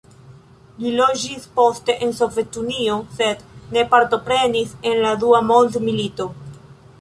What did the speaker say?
Li loĝis poste en Sovetunio, sed ne partoprenis en la Dua Mondmilito.